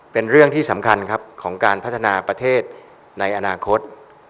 เป็นเรื่องที่สำคัญครับของการพัฒนาประเทศในอนาคต